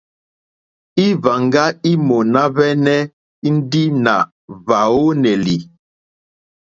Íwàŋgá í mòná hwɛ́nɛ́ ndí nà hwàónèlì.